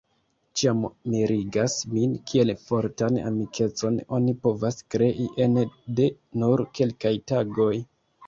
Ĉiam mirigas min kiel fortan amikecon oni povas krei ene de nur kelkaj tagoj.